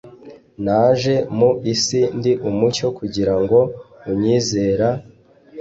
naje mu isi ndi umucyo kugira ngo unyizera